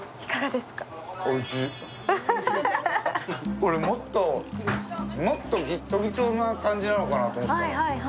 これもっとギトギトな感じなのかと思ってた。